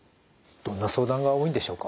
どんな相談が多いんでしょうか？